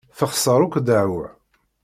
Texṣer akk ddeɛwa.